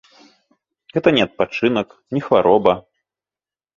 Гэта не адпачынак, не хвароба.